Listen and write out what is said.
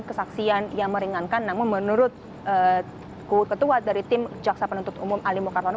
kesaksian yang meringankan namun menurut ketua dari tim jaksa penuntut umum ali mukartono